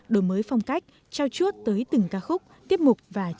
đổi mới phong cách trao chuốt tới từng ca khúc tiếp mục và chiến trình